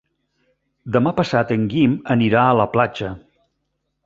Demà passat en Guim anirà a la platja.